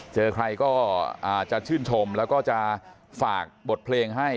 เจอใครก็จะชื่นชมแล้วก็จะฝากบทเพลงให้